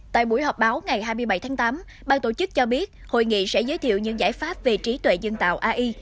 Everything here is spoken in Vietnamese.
tại buổi họp báo ngày hai mươi bảy tháng tám bang tổ chức cho biết hội nghị sẽ giới thiệu những giải pháp về trí tuệ dân tạo ai